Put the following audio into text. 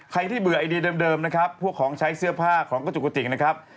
ที่เบื่อไอเดียเดิมนะครับพวกของใช้เสื้อผ้าของกระจุกกระจิกนะครับ